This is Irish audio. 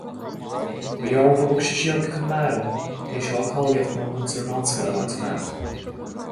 Ba ghearr gur bhog sé siar go Conamara tar éis dó a cháilíocht mar mhúinteoir meánscoile a bhaint amach.